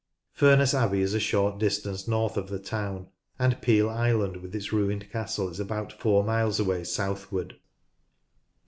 Furness Abbey is a short distance north of the town, and Piel Island with its ruined castle is about four miles away southward, (pp.